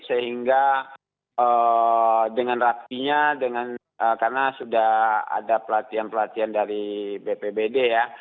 sehingga dengan rapinya karena sudah ada pelatihan pelatihan dari bpbd ya